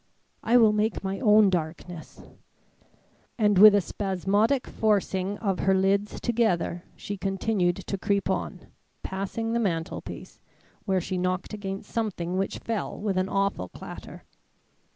"I will make my own darkness," and with a spasmodic forcing of her lids together, she continued to creep on, passing the mantelpiece, where she knocked against something which fell with an awful clatter.